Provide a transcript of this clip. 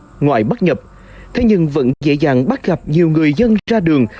khu vực phong tỏa bắt nhập thế nhưng vẫn dễ dàng bắt gặp nhiều người dân ra đường